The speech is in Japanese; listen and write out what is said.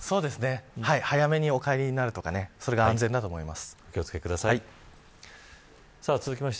早めにお帰りなるとかそれが安全だと思います。